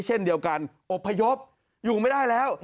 เช่นเดียวกันอบพยพอยู่ไม่ได้แล้ว